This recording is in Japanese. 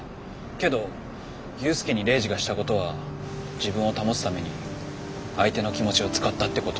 けど裕介にレイジがしたことは自分を保つために相手の気持ちを使ったってこと。